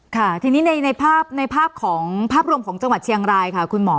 ค่ะทีนี้ในภาพของภาพรวมของจังหวัดเชียงรายค่ะคุณหมอ